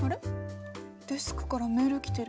デスクからメール来てる。